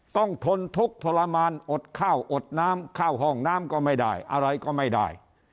ทนทุกข์ทรมานอดข้าวอดน้ำเข้าห้องน้ำก็ไม่ได้อะไรก็ไม่ได้